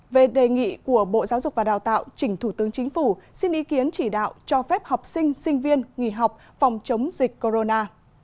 về đề nghị của bộ giáo dục và đào tạo chỉnh thủ tướng chính phủ xin ý kiến chỉ đạo cho phép học sinh sinh viên nghỉ học phòng chống dịch corona